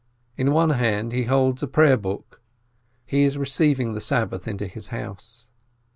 In one hand he holds a prayer book — he is receiving the Sabbath into his house.